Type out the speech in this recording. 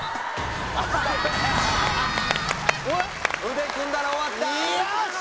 腕組んだら終わったよし！